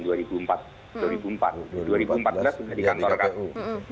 dua ribu empat belas sudah di kantor kpu